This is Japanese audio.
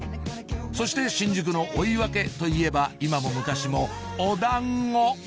そして新宿の追分といえば今も昔もおだんご！